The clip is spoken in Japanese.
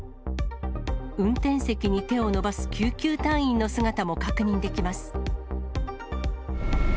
運転席に手を伸ばす、救急隊員の姿も確認できます。